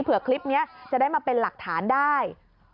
คลิปนี้จะได้มาเป็นหลักฐานได้